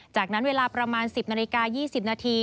จากนั้นเวลาประมาณ๑๐นาฬิกา๒๐นาที